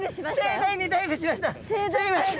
盛大にダイブしました。